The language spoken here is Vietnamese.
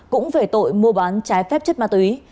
cũng về tội mua bán trái phép chất ma túy